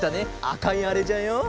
あかいあれじゃよ。